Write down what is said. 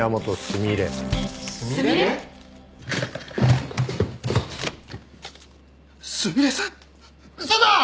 すみれさん嘘だ！